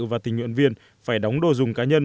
và tình nguyện viên phải đóng đồ dùng cá nhân